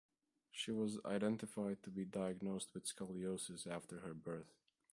She was identified to be diagnosed with scoliosis after her birth.